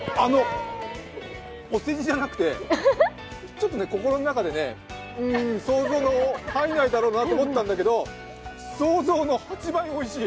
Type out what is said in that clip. お世辞じゃなくてちょっと心の中で、うん、想像の範囲内だろうと思ってたんだけど想像の８倍おいしい。